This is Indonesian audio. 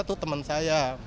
itu temen saya